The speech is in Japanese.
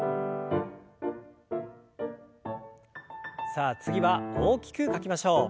さあ次は大きく書きましょう。